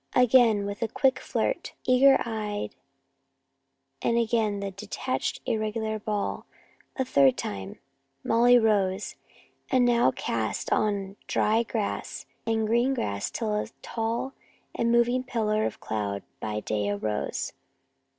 Again, with a quick flirt, eager eyed, and again the detached irregular ball! A third time Molly rose, and now cast on dry grass and green grass till a tall and moving pillar of cloud by day arose.